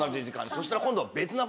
そしたら今度は。